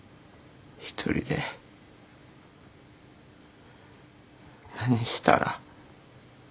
一人で何したら。